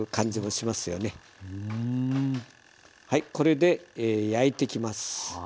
はいこれで焼いてきます。